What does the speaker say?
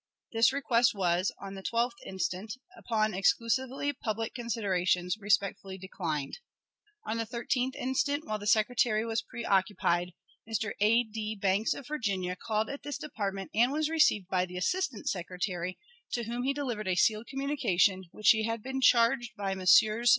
This request was, on the 12th inst., upon exclusively public considerations, respectfully declined. On the 13th inst., while the Secretary was preoccupied, Mr. A. D. Banks, of Virginia, called at this department, and was received by the Assistant Secretary, to whom he delivered a sealed communication, which he had been charged by Messrs.